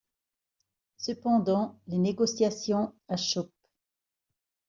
Cependant, les négociations achoppent.